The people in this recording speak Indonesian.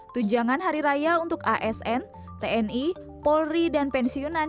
tunjangan hari raya untuk asn tni polri dan pensiunan